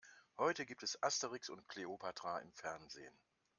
Heute gibt es Asterix und Kleopatra im Fernsehen.